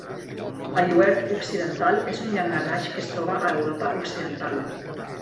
El lluert occidental és un llangardaix que es troba a Europa occidental.